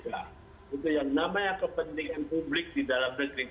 itu yang namanya kepentingan publik di dalam negeri itu jauh lebih banyak